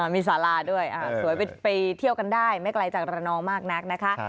มีสาราด้วยสวยไปเที่ยวกันได้ไม่ไกลจากระนองมากนักนะคะ